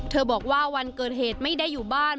บอกว่าวันเกิดเหตุไม่ได้อยู่บ้าน